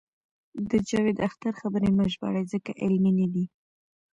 د جاوید اختر خبرې مه ژباړئ ځکه علمي نه دي.